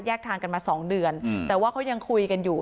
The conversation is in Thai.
ทางกันมาสองเดือนแต่ว่าเขายังคุยกันอยู่